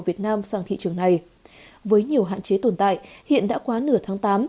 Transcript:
với nhiều hạn chế tồn tại hiện đã quá nửa tháng tám